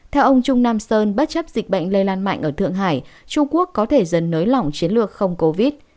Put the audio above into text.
theo ông trung nam sơn bất chấp dịch bệnh lây lan mạnh ở thượng hải trung quốc có thể dần nới lỏng chiến lược không covid